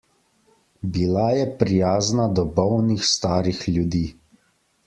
Bila je prijazna do bolnih starih ljudi.